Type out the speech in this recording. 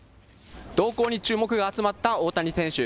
動向に注目が集まった大谷選手。